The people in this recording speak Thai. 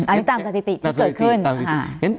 อันนี้ตามสถิติที่เกิดขึ้น